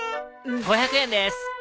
５００円です。